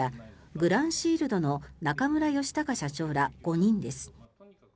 グランシールドの中村佳敬社長ら５人です。